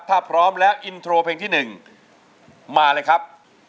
ถ้าพร้อมแล้วอินโทรเพลงที่๑มาเลยครับ